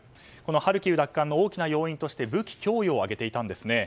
ハルキウ奪還の大きな要因として武器供与を挙げていたんです。